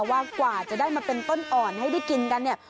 ว่ากว่าจะได้มาเป็นต้นอ่อนให้ได้กินกันเนี่ย